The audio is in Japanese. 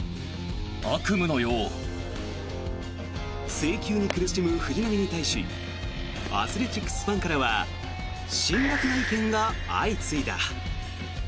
制球に苦しむ藤浪に対しアスレチックスファンからは辛らつな意見が相次いだ。